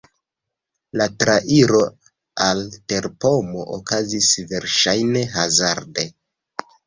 La trairo al terpomo okazis verŝajne hazarde.